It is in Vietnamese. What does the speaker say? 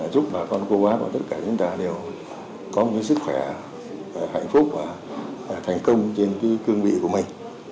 giúp bà con cô á và tất cả chúng ta đều có một sức khỏe hạnh phúc và thành công trên cương vị của mình